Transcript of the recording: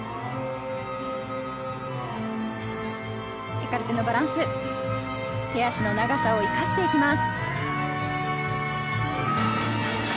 エカルテのバランス、手足の長さを生かしていきます。